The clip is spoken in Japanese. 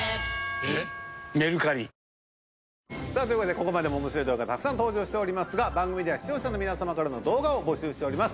ここまでも面白い動画たくさん登場しておりますが番組では視聴者の皆様からの動画を募集しております